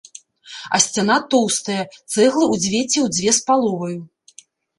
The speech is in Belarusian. А сцяна тоўстая, цэглы ў дзве ці ў дзве з паловаю.